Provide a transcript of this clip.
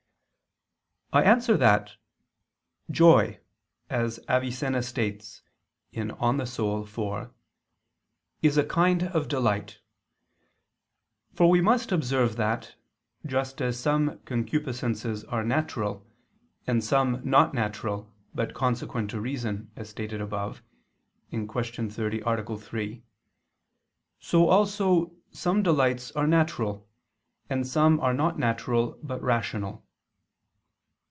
I answer that, Joy, as Avicenna states (De Anima iv), is a kind of delight. For we must observe that, just as some concupiscences are natural, and some not natural, but consequent to reason, as stated above (Q. 30, A. 3), so also some delights are natural, and some are not natural but rational.